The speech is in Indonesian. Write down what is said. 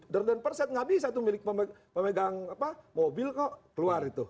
derden perset gak bisa itu memegang mobil kok keluar itu